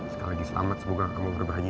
sekali lagi selamat semoga kamu berbahagia